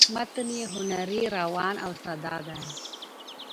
متن یې هنري ،روان او ساده دی